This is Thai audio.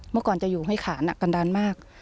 เมื่อก่อนจะอยู่ให้ขานกันดันมาก